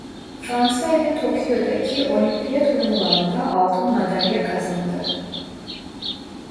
Fransa ile Tokyo'daki Olimpiyat Oyunlarında altın madalya kazandı.